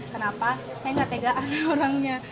kenapa saya tidak tega ada orangnya